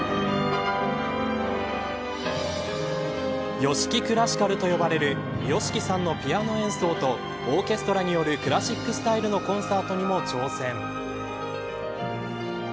ＹＯＳＨＩＫＩＣＬＡＳＳＩＣＡＬと呼ばれるＹＯＳＨＩＫＩさんのピアノ演奏とオーケストラによるクラシックスタイルのコンサートにも挑戦。